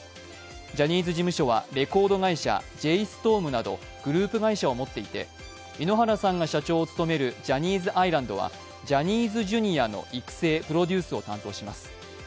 ジャニーズ事務所はレコード会社、ジェイ・ストームなどグループ会社を持っていて井ノ原さんが社長を務めるジャニーズアイランドはジャニーズＪｒ．の育成、プロデュースを担当します。